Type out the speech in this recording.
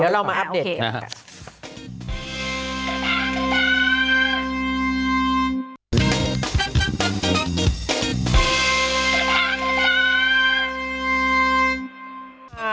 เดี๋ยวเรามาอัปเดต